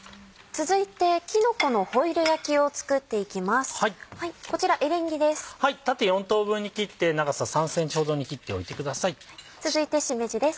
続いてしめじです。